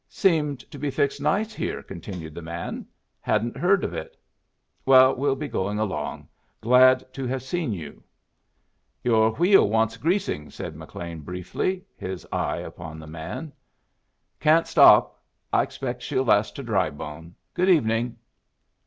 "Seem to be fixed nice here," continued the man. "Hadn't heard of it. Well, we'll be going along. Glad to have seen you." "Your wheel wants greasing," said McLean, briefly, his eye upon the man. "Can't stop. I expect she'll last to Drybone. Good evening."